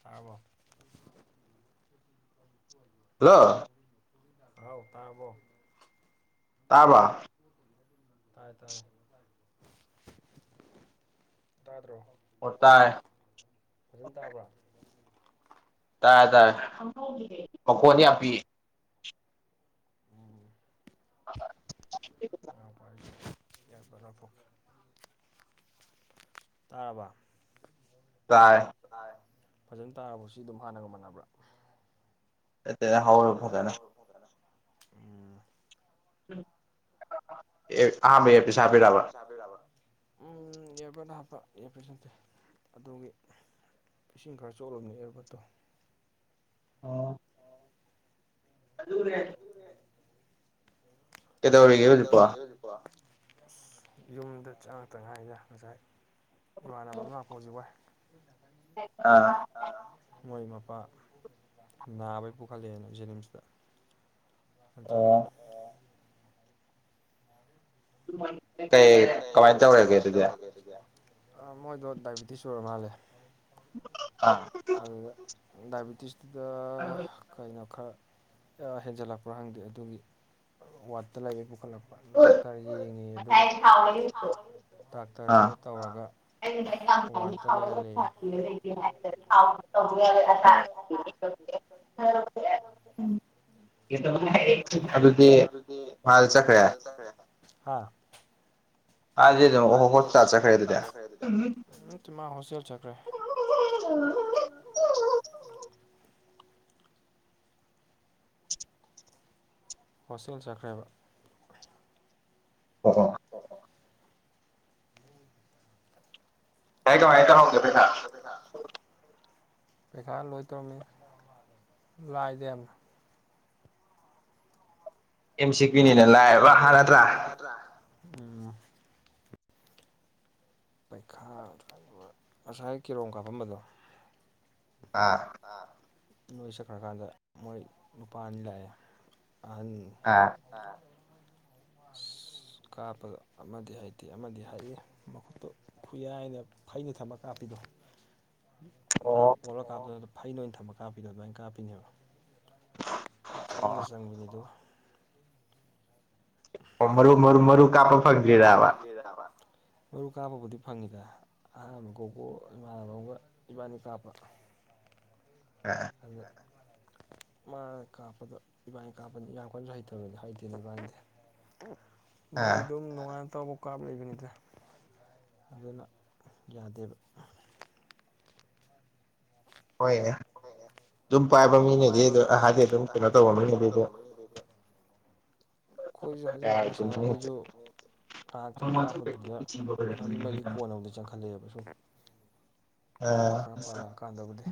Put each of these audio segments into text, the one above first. ꯇꯥꯔꯕꯣ ꯍꯜꯂꯣ ꯍꯥꯎ ꯇꯥꯔꯕꯣ ꯇꯥꯕꯔꯣ ꯇꯥꯏ ꯇꯥꯏ ꯇꯥꯗ꯭ꯔꯣ ꯑꯣ ꯇꯥꯔꯦ ꯐꯖꯅ ꯇꯥꯕ꯭ꯔꯥ ꯇꯥꯔꯦ ꯇꯥꯔꯦ ꯃꯈꯣꯟꯗꯤ ꯌꯥꯝ ꯄꯤꯛꯏ ꯎꯝ ꯌꯥꯝ ꯐꯩ ꯌꯥꯕꯔ ꯄꯣꯛ ꯇꯥꯔꯕ ꯇꯥꯏꯌꯦ ꯇꯥꯔꯦ ꯐꯖꯅ ꯇꯥꯔꯕꯣ ꯑꯗꯨꯝ ꯍꯥꯟꯅꯒ ꯃꯥꯟꯅꯕ꯭ꯔꯥ ꯍꯧꯅ ꯐꯖꯅ ꯑꯦ ꯍꯥꯏꯕꯩ ꯄꯩꯁꯥ ꯄꯤꯔꯛꯑꯕ ꯄꯤꯔꯛꯑꯕ ꯎꯝ ꯏꯌꯥꯔꯕꯠ ꯍꯥꯞꯄ ꯏꯔꯐꯣꯟ ꯅꯠꯇꯦ ꯑꯗꯨꯒꯤ ꯏꯁꯤꯡ ꯈꯔ ꯆꯣꯠꯂꯨꯕꯅꯤ ꯏꯌꯥꯔꯕꯠꯇꯣ ꯑꯣ ꯑꯗꯨꯅꯦ ꯀꯩꯗꯧꯔꯤꯒꯦ ꯍꯧꯖꯤꯛꯄꯣ ꯑꯁ ꯌꯨꯝꯗ ꯆꯪꯉꯛꯇ ꯉꯥꯏꯔꯤꯗ ꯉꯁꯥꯏ ꯏꯃꯥꯅꯕ ꯑꯃ ꯂꯥꯛꯄ ꯍꯧꯖꯤꯛ ꯋꯥꯏ ꯑ ꯑꯥ ꯃꯣꯏ ꯃꯄꯥ ꯅꯥꯕꯩ ꯄꯨꯈꯠꯂꯦꯅ ꯖꯦꯅꯤꯝꯁꯇ ꯑꯗꯨꯒꯤ ꯀꯩ ꯀꯃꯥꯏꯅ ꯇꯧꯔꯒꯦ ꯑꯗꯨꯗꯤ ꯃꯣꯏꯗꯣ ꯗꯥꯏꯕꯦꯇꯤꯁ ꯑꯣꯏꯔ ꯃꯥꯜꯂꯦ ꯑ ꯗꯥꯏꯕꯤꯇꯤꯁꯇ ꯀꯩꯅꯣ ꯈꯔ ꯍꯦꯟꯖꯜꯂꯛꯄ꯭ꯔꯥ ꯈꯡꯗꯦ ꯑꯗꯨꯒꯤ ꯋꯥꯠꯇ ꯂꯩꯔ ꯄꯨꯈꯠꯂꯛꯄ꯭ꯔꯥ ꯗꯥꯛꯇꯔ ꯌꯦꯡꯉꯤ ꯑꯗꯨꯒ ꯗꯥꯛꯇꯔꯗꯨꯅ ꯇꯧꯔꯒ ꯋꯥꯠꯇ ꯂꯩꯍꯜꯂꯦ ꯍ ꯎꯝ ꯑꯗꯨꯗꯤ ꯃꯥꯁꯨ ꯆꯠꯈꯔꯦ ꯍꯥ ꯃꯥꯗꯤ ꯑꯗꯨꯝ ꯍꯣꯁꯄꯤꯇꯥꯜ ꯆꯠꯈꯔꯦ ꯑꯗꯨꯗꯤ ꯅꯠꯇꯦ ꯍꯣꯁꯇꯦꯜ ꯆꯠꯈꯔꯦ ꯍꯣꯁꯇꯦꯜ ꯆꯠꯈ꯭ꯔꯦꯕ ꯍ ꯍꯣ ꯑꯣ ꯑꯣ ꯀꯥꯏꯀꯣ ꯍꯥꯏꯥꯏꯀꯒꯦꯦ ꯄꯩꯁꯥ ꯂꯣꯏ ꯇꯧꯔꯝꯃꯤ ꯂꯥꯛꯗ ꯑꯃ ꯀꯟ ꯁꯤꯒꯅꯦꯔꯂ ꯍꯥꯔꯗ꯭ꯔꯥ ꯎꯝ ꯄꯩꯈꯥ ꯑꯗꯨꯋꯥꯏ ꯉꯁꯥꯏ ꯀꯤꯂꯣꯝ ꯀꯥꯞꯄꯝꯕꯗꯣ ꯑꯥ ꯅꯣꯏ ꯁꯠꯈ꯭ꯔꯀꯥꯟꯗ ꯃꯣꯏ ꯅꯨꯄꯥ ꯑꯅꯤ ꯂꯥꯛꯑꯦ ꯑꯍꯟ ꯑꯥ ꯑ ꯑ ꯀꯥꯞꯄꯗ ꯑꯃꯗꯤ ꯍꯥꯏꯇꯦ ꯑꯃꯗꯤ ꯍꯥꯏꯛ ꯃꯈꯨꯠꯇꯣ ꯈꯨꯌꯥꯥꯏꯅ ꯐꯩꯅ ꯊꯝꯕ ꯀꯥꯞꯄꯤꯗꯣ [unintelligible] ꯄꯣꯛꯂꯒ ꯀꯥꯞꯄ ꯐꯩꯅ ꯑꯣꯏꯅ ꯊꯝꯕ ꯀꯥꯞꯄꯤꯗꯣ ꯑꯗꯨꯃꯥꯏꯅ ꯀꯥꯞꯄꯤꯅꯦꯕ ꯆꯪꯗ ꯆꯪꯕꯤꯅꯤꯗ ꯑꯣꯝꯕꯔ ꯃꯔ ꯃꯔꯔ ꯀꯥꯔ ꯐꯗ ꯍꯥꯏꯔ ꯃꯔꯨ ꯀꯥꯞꯄꯕꯨꯗꯤ ꯐꯪꯉꯤꯗ ꯑꯍꯥꯟꯕ ꯀꯧꯕ ꯏꯃꯥꯟꯅꯕꯒ ꯏꯕꯥꯅꯤ ꯀꯥꯞꯄ ꯎ ꯑꯗꯨꯒ ꯃꯥꯅ ꯀꯥꯞꯄꯗꯣ ꯏꯕꯥꯅꯤ ꯀꯥꯞꯄꯅꯤ ꯌꯥꯝ ꯀꯟꯁꯨ ꯍꯩꯇꯕꯗꯤ ꯍꯩꯇꯦꯅꯦ ꯏꯕꯥꯗꯦ ꯑ ꯃꯣꯏ ꯑꯗꯨꯝ ꯅꯨꯡꯉꯥꯏꯅ ꯇꯧꯕ ꯀꯥꯞ ꯂꯩꯕꯅꯤꯗ꯭ꯔꯦ ꯑꯗꯨꯅ ꯌꯥꯗꯦꯕ ꯍꯣꯏꯅꯦ ꯑꯗꯨꯝ ꯄꯥꯏꯕ ꯃꯤꯅꯦꯗꯤ ꯑꯗꯨ ꯍꯥꯏꯗꯤ ꯑꯗꯨꯝ ꯀꯩꯅꯣ ꯇꯧꯕ ꯃꯤꯅꯦꯗꯤ ꯑꯗꯨ [unintelligible] ꯑꯩꯈꯣꯏꯁꯨ ꯍꯥꯏꯖꯕ ꯉꯁꯥꯏ ꯑꯩꯁꯨ ꯉꯥꯏꯍꯥꯛꯇꯪ ꯀꯥꯞꯄꯗꯨꯗ ꯃꯔꯤ ꯃꯔꯤ ꯀꯣꯟꯅꯕꯗ ꯆꯪꯈꯜꯂꯛꯑꯦꯕ ꯁꯨꯝ ꯑ ꯄꯥꯜꯂꯥꯛꯑꯀꯥꯟꯗꯕꯨꯗꯤ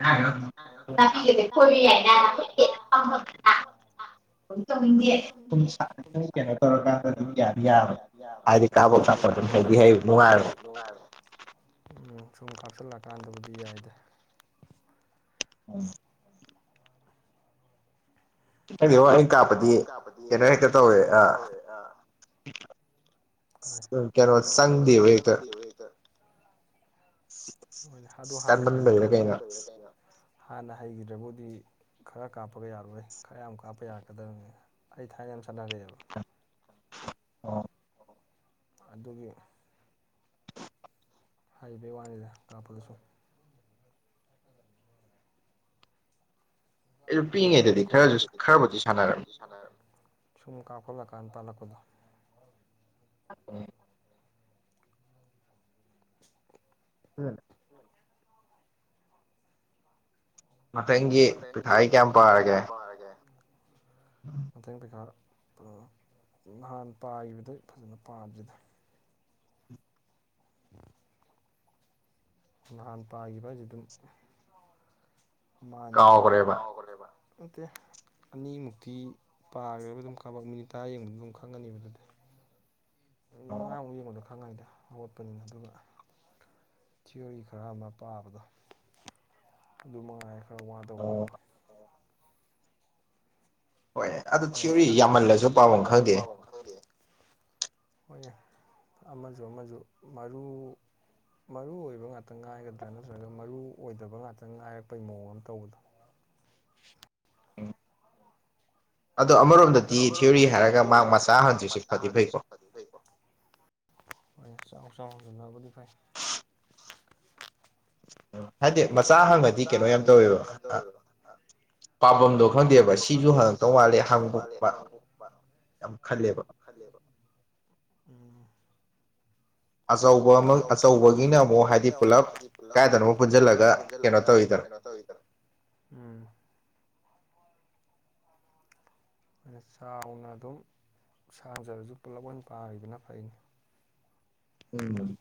ꯌꯥ ꯑ ꯂꯝꯕ ꯌꯥ ꯌꯥ ꯑ ꯇ ꯀꯄ ꯍꯥꯏꯗꯤ ꯍꯦꯅꯨꯡ ꯎ ꯁꯨꯝ ꯀꯥꯞꯁꯤꯜꯂꯛꯀꯥꯟꯗꯕꯨꯗꯤ ꯌꯥꯏꯗꯦ ꯎꯝ ꯑꯩꯒꯤ ꯋꯥꯩꯅ ꯀꯥꯞꯄꯗꯤ ꯀꯩꯅꯣ ꯍꯦꯛꯇ ꯇꯧꯋꯦ ꯑ ꯀꯅꯣ ꯁꯒꯗꯦꯋꯦꯒ [unintelligible] ꯍꯣꯏꯅꯦ ꯑꯗꯨꯣ ꯍꯥꯟꯅ ꯍꯩꯈꯤꯗ꯭ꯔꯕꯨꯗꯤ ꯍꯥꯟꯅ ꯍꯩꯈꯤꯗ꯭ꯔꯕꯨꯗꯤ ꯈꯔ ꯀꯥꯞꯄꯒ ꯌꯥꯔꯣꯏ ꯈꯔ ꯌꯥꯝ ꯀꯥꯞꯄ ꯌꯥꯔꯛꯀꯗꯕꯅꯦ ꯑꯩ ꯊꯥꯏꯅ ꯌꯥꯝ ꯆꯠꯅꯔꯛꯑꯦꯕ ꯑꯣ ꯑꯗꯨꯒꯤ ꯍꯥꯏꯕꯩ ꯋꯥꯅꯤꯗ ꯀꯥꯞꯄꯗꯁꯨ ꯍꯥꯏ ꯋꯥꯗꯤ ꯁꯨꯝ ꯀꯥ ꯈꯣꯠꯂꯛꯀꯥꯟꯗ ꯄꯥꯜꯂꯛꯄꯗꯣ ꯑ [unintelligible] ꯎ ꯃꯊꯪꯒꯤ ꯄꯤꯈꯥꯏ ꯀꯌꯥꯝ ꯄꯥꯔꯒꯦ ꯐꯔꯒꯦ ꯃꯊꯪ ꯄꯩꯀꯥ ꯅꯍꯥꯟ ꯄꯥꯈꯤꯕꯗ ꯐꯖꯅ ꯄꯥꯗ꯭ꯔꯤꯗ [unintelligible] ꯅꯍꯥꯟ ꯄꯥꯈꯤꯕ ꯍꯥꯏꯁꯤ ꯑꯗꯨꯝ ꯃꯥꯅꯤ ꯀꯥꯎꯈꯂꯦꯕ ꯅꯠꯇꯦ ꯑꯅꯤꯃꯨꯛꯇꯤ ꯄꯥꯈ꯭ꯔꯦꯕ ꯑꯗꯨꯝ ꯈꯕꯛ ꯃꯤꯅꯤꯠ ꯇꯔꯥ ꯌꯦꯡꯕꯗ ꯑꯗꯨꯝ ꯈꯪꯉꯅꯤꯕ ꯅꯠꯇꯗꯤ ꯅꯨꯠ ꯃꯉꯥꯃꯨꯛ ꯌꯦꯡꯕꯗꯣ ꯈꯪꯉꯩꯗ ꯍꯧꯠꯄꯅꯤꯅ ꯑꯗꯨꯒ ꯊꯤꯑꯣꯔꯤ ꯈꯔ ꯑꯃ ꯄꯥꯕꯗꯣ ꯑꯗꯨ ꯃꯉꯥꯏ ꯈꯔ ꯋꯥꯗꯧꯕ ꯍꯥꯏꯗꯣ ꯍꯣꯏꯅꯦ ꯣ ꯌꯥꯝꯃꯜꯂꯦꯁꯨ ꯄꯥꯕ ꯈꯪꯔꯦ ꯍꯣꯏ ꯑꯃꯁꯨ ꯑꯃꯁꯨ ꯃꯔꯨ ꯃꯔꯨ ꯑꯣꯏꯕ ꯉꯥꯛꯇ ꯉꯥꯏꯒꯗ꯭ꯔꯥ ꯅꯠꯇ꯭ꯔꯒ ꯃꯔꯨ ꯑꯣꯏꯗꯕ ꯉꯥꯛꯇ ꯉꯥꯏꯔꯛꯄꯩ ꯃꯑꯣꯡ ꯑꯃ ꯇꯧꯕꯗꯣ ꯑꯗ ꯑꯃꯔ ꯑꯗꯣ ꯑꯃꯔꯣꯝꯗꯗꯤ ꯊꯤꯑꯣꯔꯤ ꯍꯥꯏꯒ ꯃꯍꯥꯛ ꯃꯁ ꯍꯗ꯭ꯔꯤꯁꯨ ꯐꯗꯤ ꯐꯩꯀꯣ ꯍꯣꯏ ꯆꯥꯎ ꯆꯥꯎꯖꯅꯕꯨꯗꯤ ꯐꯩ ꯎ ꯍꯥꯏꯗꯤ ꯃꯆꯥ ꯑꯍꯥꯡꯕꯗꯤ ꯀꯩꯅꯣ ꯌꯥꯝ ꯇꯧꯋꯦꯕ ꯑ ꯄꯥꯐꯝꯝꯗꯣ ꯈꯪꯗꯦꯕ ꯁꯤꯁꯨ ꯍꯪꯉꯛꯇꯧ ꯃꯥꯜꯂꯦ ꯍꯥꯡꯗꯣꯛꯄ ꯌꯥꯝ ꯈꯜꯂꯦꯕ ꯐꯕ ꯎꯝ ꯑꯆꯧꯕ ꯑꯃ ꯑꯆꯧꯕꯒꯤꯅ ꯑꯃꯨꯛ ꯍꯥꯏꯗꯤ ꯄꯨꯜꯂꯞ ꯀꯥꯏꯗꯅꯕꯨ ꯄꯨꯟꯁꯤꯜꯂꯒ ꯀꯩꯅꯣ ꯇꯧꯋꯤꯗꯅ ꯑꯩꯈꯣꯏꯅ ꯆꯥꯎꯅ ꯑꯗꯨꯝ ꯁꯥꯡꯖꯔꯁꯨ ꯄꯨꯂꯞ ꯑꯣꯏꯅ ꯄꯥꯗꯅ ꯐꯩꯅꯤ ꯎꯝ ꯃꯥ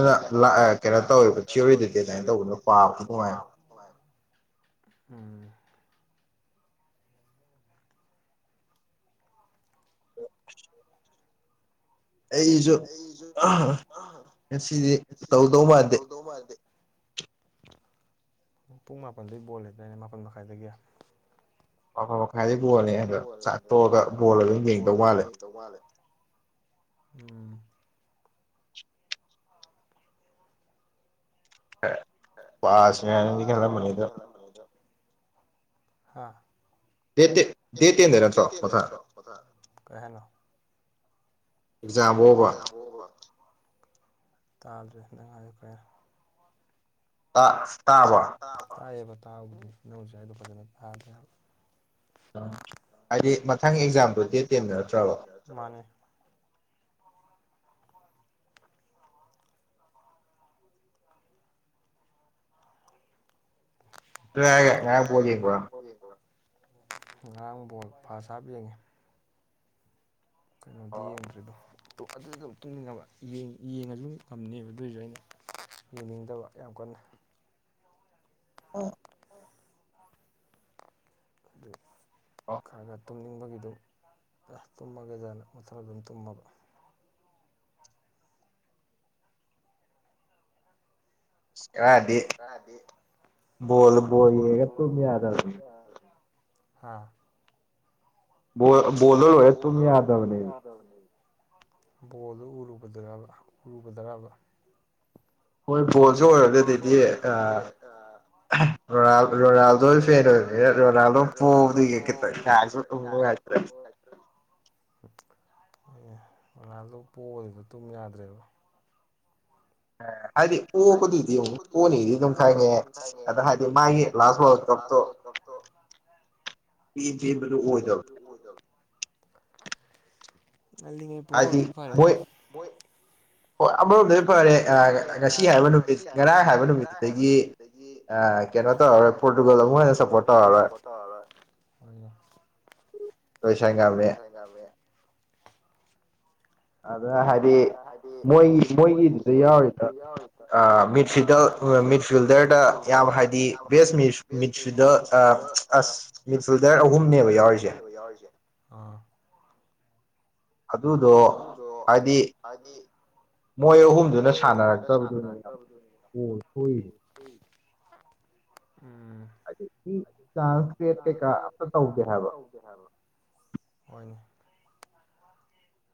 ꯍꯥꯏꯗꯤ ꯑꯗꯨꯅ ꯀꯩꯅꯣ ꯇꯧꯋꯔꯤꯕ ꯆꯤꯌꯨꯔꯤꯇꯤꯗꯤ ꯑꯩꯅꯅ ꯇꯧꯕꯅ ꯄꯥꯝꯃꯦ ꯎꯝ ꯈ ꯑꯩꯁꯨ ꯉꯁꯤꯗꯤ ꯇꯧꯗꯧ ꯃꯥꯟꯗꯦ ꯇꯣꯃꯔꯗꯦ ꯄꯨꯡ ꯃꯥꯄꯜꯗꯩ ꯕꯣꯜ ꯂꯩꯗꯣꯏꯅꯦ ꯃꯥꯄꯜ ꯃꯈꯥꯏꯗꯒꯤ ꯑꯥꯏꯗꯤ ꯒꯣꯜꯂꯗ ꯆ ꯇꯣꯛꯑꯒ ꯒꯣꯜ ꯑꯗꯨ ꯑꯗꯨꯝ ꯌꯦꯡꯗꯧ ꯃꯥꯜꯂꯦ ꯎꯝ ꯑ ꯄꯁ ꯌꯥꯅꯗꯤ ꯀ ꯃꯅꯤꯗ ꯗ ꯍꯥꯥ ꯗꯦꯠ ꯇ ꯗꯦ ꯇꯦꯟ ꯍꯔ ꯆ ꯀꯊꯥ ꯀꯦꯅ ꯇꯥꯔꯦꯗꯪꯉꯥꯏ ꯀꯔ ꯇꯥꯏꯌꯦꯕ ꯇꯥꯕꯅꯤ ꯅꯧꯁꯨ ꯍꯥꯏꯗꯣ ꯐꯖꯅ ꯇꯥꯗꯦꯕ ꯑꯝ ꯍꯥꯏꯗꯤ ꯃꯊꯪꯒꯤ ꯑꯦꯛꯖꯥꯝꯗꯣ ꯗꯦꯠ ꯇꯦꯟꯗꯨ ꯅꯠꯇ꯭ꯔꯕ ꯑꯗꯨꯃꯅꯦ ꯂꯩꯦ ꯥꯡ ꯉꯔꯥꯡꯕꯣꯜ ꯐꯥ ꯁꯥ ꯌꯦꯡꯉꯦ ꯀꯩꯅꯣꯗꯤ ꯌꯦꯡꯗ꯭ꯔꯤꯔꯤꯕꯣ ꯑꯣ ꯑꯗꯨꯗ ꯑꯗꯨ ꯇꯤꯡꯅꯤꯡꯉꯕ ꯌꯦꯡꯉꯁꯨ ꯉꯝꯅꯦꯕ ꯑꯗꯨꯏꯁꯨ ꯑꯩꯅ ꯌꯦꯡꯅꯤꯡꯗꯕ ꯌꯥꯝ ꯀꯟꯅ ꯍ ꯑꯗꯨ ꯈꯥꯒꯠ ꯇꯨꯝꯅꯤꯡꯕꯒꯤꯗꯨꯝ ꯑ ꯇꯨꯝꯃꯒꯦꯖꯥꯅ ꯃꯊꯔ ꯑꯗꯨꯝ ꯇꯨꯝꯃꯕ ꯗꯤ ꯗꯤ ꯣꯜꯕꯣꯜꯂꯤꯒ ꯇ ꯃ ꯌꯥꯗ ꯍꯥꯥ ꯣꯣꯂ ꯕꯣꯜꯗꯨ ꯎꯔꯨꯕꯗ ꯎꯔꯨꯕꯗ꯭ꯔꯕ ꯍꯣꯏ ꯕꯣꯜꯁꯨ ꯑꯣꯏꯔꯒ ꯑꯗꯨꯗꯤ ꯔꯣꯅꯥꯜ ꯔꯣꯅꯥꯜꯗꯣ ꯐꯦꯟ ꯑꯣꯏꯕꯅꯤ ꯔꯣꯅꯥꯜꯗꯣ ꯄꯣꯕꯗꯣꯏꯒ ꯈꯤꯇꯪ ꯑ ꯃꯔꯥꯜꯗꯣ ꯄꯣꯛꯔꯤꯕ ꯑꯗꯨꯨꯝ ꯌꯥꯗ꯭ꯔꯦꯕ ꯍꯥꯏꯗꯤ ꯑꯣꯕꯨꯗꯤꯗꯤ ꯑꯃꯨꯛ ꯑꯣꯅꯤꯗꯤ ꯑꯗꯨꯝ ꯈꯪꯉꯦ ꯑꯗꯣ ꯍꯥꯏꯗꯤ ꯃꯥꯒꯤ ꯂꯥꯁ ꯇꯖꯤꯗꯨ ꯎꯖꯝ ꯑꯜꯂꯤ ꯅꯩꯄ ꯍꯣꯗ ꯐꯔꯗ ꯔꯦ ꯉꯁꯤ ꯍꯥꯏꯕ ꯔ ꯍꯥꯏꯕ ꯑꯗꯒꯤ ꯀꯩꯅꯣ ꯇꯧꯔꯣꯏ ꯄꯣꯔꯇꯨꯒꯜ ꯑꯃꯣꯏꯅ ꯁꯞꯄꯣꯔꯠ ꯇꯧꯍꯔꯣꯏ ꯇꯣꯏꯁꯥꯏꯒꯕꯅꯦ ꯌꯥꯋꯦ ꯑ ꯍꯥꯏꯗꯤ ꯃꯣꯏ ꯃꯣꯏ ꯌꯥꯎꯣꯏꯁꯨ ꯃꯤꯗ ꯃꯤꯁ ꯐꯤꯜꯗꯔꯗ ꯌꯥꯝꯌꯥꯝ ꯍꯥꯏꯔꯗꯤ ꯕꯦꯁ ꯃꯤ ꯃꯤꯁꯗ ꯑꯁ ꯅꯤꯄꯜꯗꯔ ꯑꯍꯨꯝꯅꯦꯕ ꯌꯥꯎꯔꯤꯁꯦ ꯑꯗꯨꯗꯣ ꯍꯥꯏꯗꯤ ꯃꯣꯏ ꯑꯍꯨꯝꯗꯨꯅ ꯁꯥꯟꯅꯔꯛꯇꯕꯗꯨꯅꯤ ꯌꯥꯝ ꯊꯣꯛꯏ [inaudible] ꯎꯝ ꯀ꯭ꯂꯥꯟꯦ ꯀꯩꯀꯥ ꯑꯝꯇ ꯇꯧꯗꯦ ꯍꯥꯏꯕ ꯋꯥꯅꯤ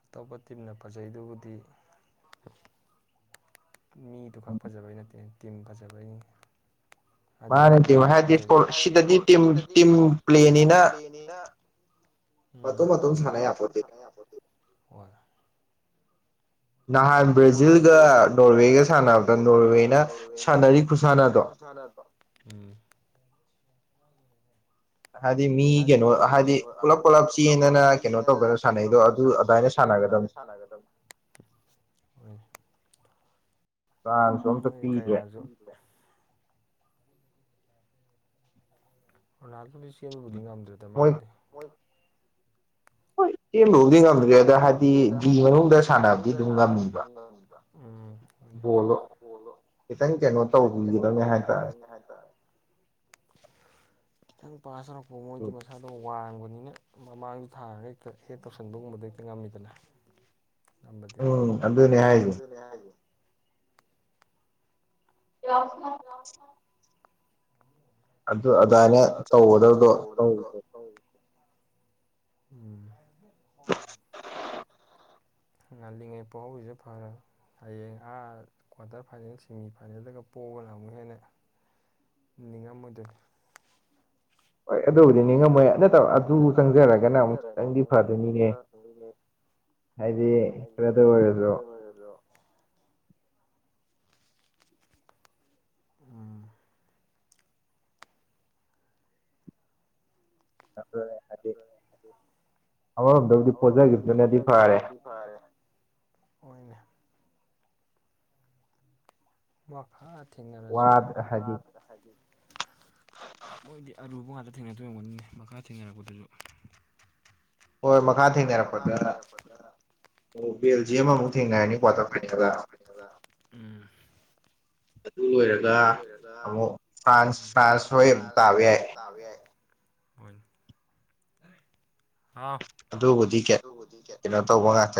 ꯑꯇꯣꯞꯄ ꯇꯤꯝꯅ ꯐꯖꯩꯗꯨꯕꯨꯗꯤ ꯃꯤꯗꯨ ꯈꯛ ꯐꯖꯕꯩ ꯅꯠꯇꯦ ꯇꯤꯝ ꯐꯖꯕꯩꯅꯤ ꯑꯔꯖꯦꯟꯇꯤꯅꯥ ꯇ ꯄ꯭ꯂꯅꯤ ꯎꯝ ꯐꯠꯇ ꯐꯠꯇ ꯁꯦ ꯌꯥꯄꯠꯇ ꯅꯍꯥꯟ ꯕ꯭ꯔꯥꯖꯤꯜꯒ ꯅꯣꯔꯋꯦꯒ ꯁꯥꯟꯅꯕꯗ ꯅꯣꯔꯋꯦꯅ ꯁꯥꯟꯅꯔꯤ ꯈꯨ ꯁꯥꯟꯅꯕꯣ ꯎꯝ ꯍꯥꯏꯗꯤ ꯃꯤ ꯀꯩꯅꯣ ꯍꯥꯏꯗꯤ ꯄꯨꯂꯞ ꯄꯨꯂꯞ ꯆꯅ ꯀꯩꯅꯣ ꯇꯧꯕ ꯁꯥꯟꯅꯩꯗꯣ ꯑꯗꯨ ꯑꯗꯨꯃꯥꯏꯅ ꯆꯥꯟꯒꯗ [inaudible] ꯣꯏ ꯃꯣꯏ ꯀꯌꯥꯁꯨ ꯑꯔꯨꯅꯥꯜ ꯄꯂꯤ ꯆꯦꯟꯕꯕꯨꯗꯤ ꯉꯝꯗ꯭ꯔꯦꯗ ꯃꯥꯕꯨꯗꯤ ꯍꯣꯏ ꯂ ꯅꯒꯦꯗ ꯍꯥꯗꯤ ꯃꯅꯨꯡꯗꯗ ꯁꯥꯟꯅ ꯇꯗ ꯎꯝ ꯈꯤꯇꯪ ꯀꯩꯅꯣ ꯇꯧꯕꯤꯒꯗꯕꯅꯦ ꯍꯥꯏꯇꯥꯔꯦ ꯌꯥ ꯇꯔ [inaudible] ꯏꯊꯪ ꯄꯥꯁ ꯇꯧꯔꯛꯄ ꯃꯣꯏꯗꯤ ꯃꯁꯥꯗꯣ ꯋꯥꯡꯕꯅꯤꯅ ꯃꯃꯥꯡꯗ ꯊꯥꯒ ꯍꯦꯛ ꯇꯧꯁꯟꯕꯒꯨꯝꯕꯗ ꯍꯦꯛꯇ ꯉꯝꯃꯤꯗꯅ ꯎꯝ ꯑꯗꯨꯅꯦ ꯍꯥꯏ ꯍꯥꯏꯁꯨ ꯍꯥꯏ ꯂꯥꯎꯈꯣꯡ ꯑ [inaudible] ꯑꯗꯨ ꯑꯗꯨꯗꯥꯥꯏꯅ ꯇꯧꯒꯗꯕꯗꯣ ꯇꯧꯗꯦ ꯎꯝ ꯉꯜꯂꯤꯉꯩ ꯄꯍꯥꯎꯁꯦ ꯐꯔ ꯍꯌꯦꯡ ꯑꯥ ꯀ꯭ꯋꯥꯇꯔ ꯐꯥꯏꯅꯦꯜ ꯁꯦꯃꯤ ꯐꯥꯏꯅꯦꯜꯗꯒ ꯄꯣꯛꯒ ꯂꯝꯒ ꯍꯥꯏꯅ ꯅꯤꯡꯅꯤꯉꯝꯃꯗ ꯍꯣꯏ ꯑꯗꯨꯕꯨꯗꯤꯅꯦꯅ ꯃꯣꯏ ꯌꯥꯝꯟꯅ ꯇꯧꯔꯖꯔꯒꯅꯤꯈꯤꯇꯪꯗꯤ ꯐꯅꯦ ꯍꯥꯏꯗꯤꯔ ꯑꯣꯏꯂꯣ ꯎꯝ꯫ ꯑ ꯍꯥꯏ ꯑꯣ ꯄꯖꯒꯁ ꯅꯗꯤ ꯐꯔꯦ ꯍꯣꯏꯅꯦ ꯃꯈꯐꯥ ꯊꯦꯡꯅꯔꯁꯨ ꯃꯥꯗ ꯍꯥꯏꯗꯤ ꯃꯣꯏꯗꯤ ꯑꯔꯨꯕ ꯉꯥꯛꯇ ꯊꯦꯡꯅꯗ ꯉꯝꯒꯅꯤ ꯃꯈꯥ ꯊꯦꯡꯅꯔꯛꯄꯗꯁꯨ ꯍꯣꯏ ꯃꯈꯥ ꯊꯦꯡꯅꯔꯛꯄꯗꯨꯅ ꯑꯣ ꯕꯦꯜꯖꯌꯥꯝ ꯑꯃꯨ ꯊꯦꯡꯅꯅꯤ ꯀꯋ꯭ꯥꯇꯥ ꯐꯥꯏꯅꯦꯜꯗꯥ ꯑꯗꯨ ꯂꯣꯏꯔꯒꯦ ꯑꯗꯨ ꯑꯣꯏꯔꯒ ꯑꯃꯨꯛ ꯐ꯭ꯔꯥꯟꯁ ꯐ꯭ꯔꯥꯟꯁ ꯍꯣꯏ ꯑꯗꯨ ꯇꯥꯕ ꯌꯥꯏ [unintelligible] ꯍꯥꯎ ꯑꯗꯨꯕꯨꯗꯤ ꯀ ꯀꯩꯅꯣ ꯇꯧꯕ ꯉꯥꯛꯇ